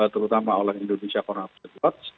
terutama oleh indonesia koronavirus